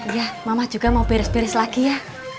ya mama juga mau beres beres lagi ya